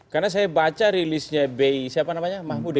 karena saya baca rilisnya b i siapa namanya mahmudin